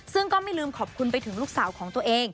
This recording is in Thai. ซึ่งก็ไม่ลืมขอบคุณไปถึงลูกสาวของตัวเอง